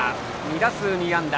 ２打数２安打！